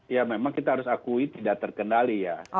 ya memang kita harus akui tidak terkendali ya